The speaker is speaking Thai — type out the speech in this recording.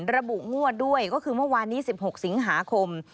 ระบุงวดด้วยก็คือเมื่อวานนี้๑๖สิงหาคม